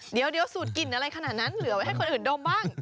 เดี๋ยวสูดกลิ่นอะไรขนาดนั้นเหลือไว้ให้คนอื่นดมบ้าง